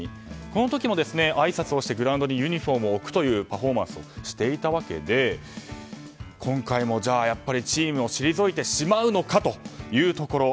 この時も挨拶をしてグラウンドにユニホームを置くというパフォーマンスをしていたわけで今回もやっぱりチームを退いてしまうのかというところ。